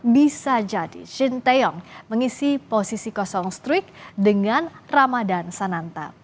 bisa jadi shin taeyong mengisi posisi kosong strik dengan ramadan sananta